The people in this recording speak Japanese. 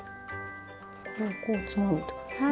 これをこうつまむってことですね？